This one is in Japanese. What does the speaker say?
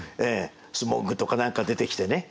スモッグとか何か出てきてね。